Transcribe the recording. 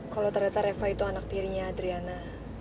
kalau ternyata reva itu anak tiri nya adriana